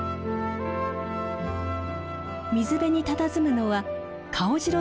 水辺にたたずむのはカオジロ